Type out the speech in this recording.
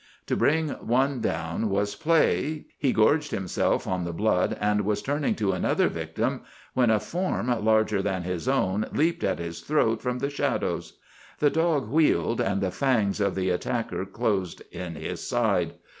To bring one down was play. He gorged himself on the blood and was turning to another victim, when a form larger than his own leaped at his throat from the shadows. The dog wheeled, and the fangs of the attacker closed in his side.